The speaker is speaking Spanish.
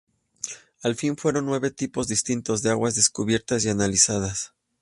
Al fin fueron nueve tipos distintos de aguas descubiertas y analizadas.